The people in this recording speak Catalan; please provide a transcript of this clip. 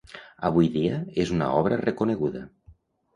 Avui dia és una obra reconeguda?